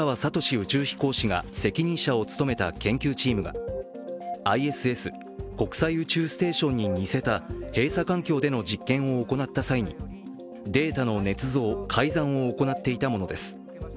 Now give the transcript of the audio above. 宇宙飛行士が責任者を務めた研究チームがＩＳＳ＝国際宇宙ステーションに似せた閉鎖環境での実験を行った際にデータのねつ造、改ざんを行っていたものです。